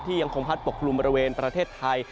ยังคงพัดปกคลุมบริเวณประเทศไทย